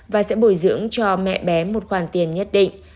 và sẽ bồi dưỡng cho mẹ bé một khoản tiền nhất định